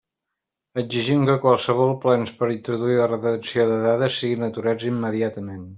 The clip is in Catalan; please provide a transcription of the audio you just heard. Exigim que qualssevol plans per a introduir la retenció de dades siguin aturats immediatament.